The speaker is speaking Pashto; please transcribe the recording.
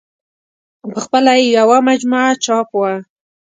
په خپله یې یوه مجموعه چاپ وه.